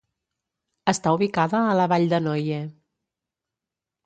Està ubicada a la vall de Noye.